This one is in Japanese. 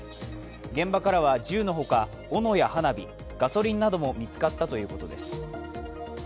現場からは銃のほか斧や花火ガソリンなども見つかったということです。